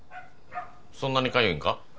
そんなにかゆいんか？